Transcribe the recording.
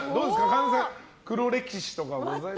神田さん、黒歴史とか。